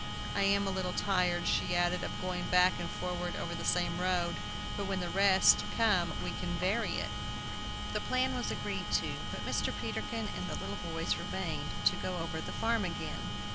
"I am a little tired," she added, "of going back and forward over the same road; but when the rest come we can vary it." The plan was agreed to, but Mr. Peterkin and the little boys remained to go over the farm again.